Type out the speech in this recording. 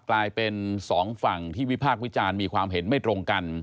กลายเป็นสองฝั่งที่วิพากษ์วิจารณ์มีความเห็นไม่ตรงกัน